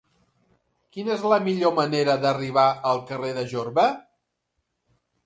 Quina és la millor manera d'arribar al carrer de Jorba?